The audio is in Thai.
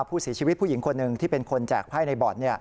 ผู้เสียชีวิตผู้หญิงคนหนึ่งที่เป็นคนแจกไพ่ในบอร์ด